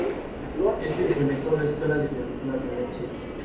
Esto incrementó la escala de la violencia.